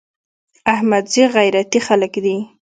احمدزي غيرتي خلک دي.